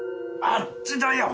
あっちだよ！